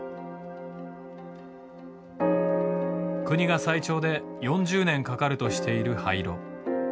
国が最長で４０年かかるとしている廃炉。